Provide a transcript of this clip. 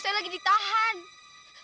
semalam warga warga itu menangis